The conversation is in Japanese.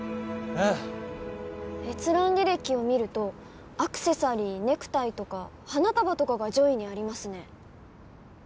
閲覧履歴を見るとアクセサリーネクタイとか花束とかが上位にありますね